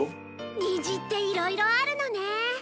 虹っていろいろあるのね。